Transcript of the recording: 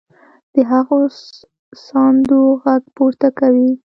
د هغو ساندو غږ پورته کوي.